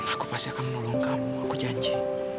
aku pasti akan menolong kamu aku janji